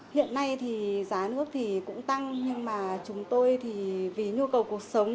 hiện nay thì giá nước thì cũng tăng nhưng mà chúng tôi thì vì nhu cầu cuộc sống